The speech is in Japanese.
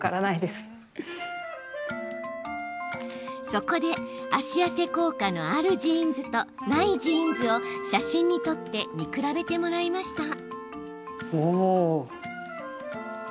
そこで脚痩せ効果のあるジーンズとないジーンズを写真に撮って見比べてもらいました。